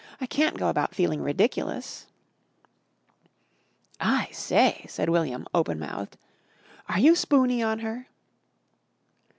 I can't go about feeling ridiculous." "I say," said William open mouthed. "Are you spoony on her?"